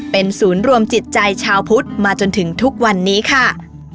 เป็นศูนย์รวมจิตใจชาวพุทธมาจนถึงทุกวันนี้ค่ะ